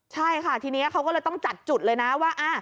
ใช่ค่ะทีนี้เขาก็เลยต้องจัดจุดเลยนะว่า